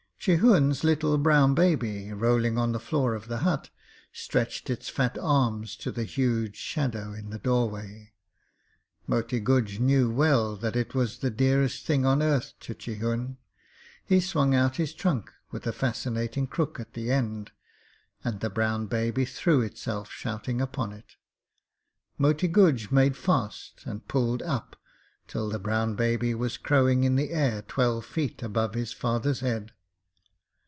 Chihun's little brown baby, rolling on the floor of the hut, stretched its fat arms to the huge shadow in the doorway. Moti Guj knew well that it was the dearest thing on earth to Chihun. He swung out his trunk with a fascinating crook at the end, and the brown baby threw itself shouting upon it. Moti Guj made fast and pulled up till the brown baby was crowing in the air twelve feet above his father's head.